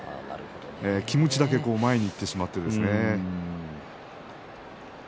気持ちだけ前にいってしまってですね。